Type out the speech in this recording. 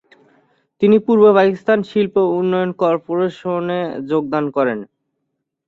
তিনি পূর্ব পাকিস্তান শিল্প উন্নয়ন কর্পোরেশনে যোগদান করেন।